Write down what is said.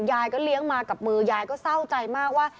ยายก็เลี้ยงมากับมือยายก็เศร้าใจมากว่า